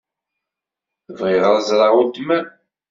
Bɣiɣ ad ẓṛeɣ weltma-m.